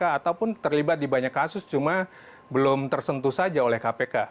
ataupun terlibat di banyak kasus cuma belum tersentuh saja oleh kpk